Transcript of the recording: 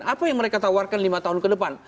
apa yang mereka tawarkan lima tahun ke depan